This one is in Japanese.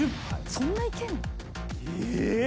そんないけんの？え！？